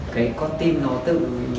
cái con tim nó tự